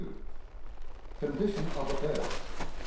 Condition of Affairs.